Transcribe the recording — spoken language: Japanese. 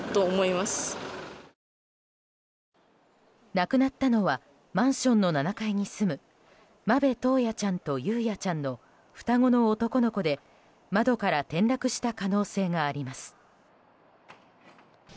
亡くなったのはマンションの７階に住む間部登也ちゃんと雄也ちゃんの双子の男の子で窓から転落した可能性があります。